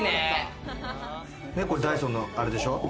これダイソンのあれでしょ。